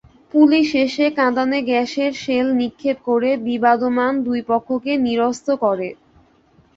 Police এসে কাঁদানে গ্যাসের শেল নিক্ষেপ করে বিবদমান দুই পক্ষকে নিরস্ত করে।